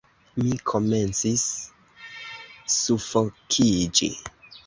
Mi komencis sufokiĝi.